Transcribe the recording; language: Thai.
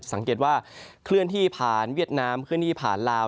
สังเกตว่าเคลื่อนที่ผ่านเวียดนามเคลื่อนที่ผ่านลาว